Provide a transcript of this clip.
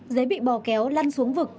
dế bị bò kéo lăn xuống vực